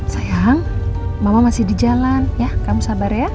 sayang mama masih di jalan ya kamu sabar ya